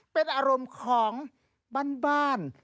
เป็นอารมณ์ของบ้าน